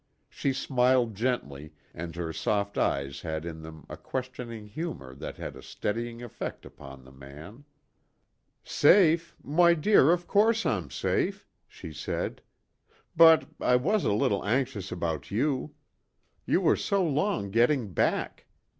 She smiled gently, and her soft eyes had in them a questioning humor that had a steadying effect upon the man. "Safe? Why, dear, of course I'm safe," she said. "But I was a little anxious about you. You were so long getting back.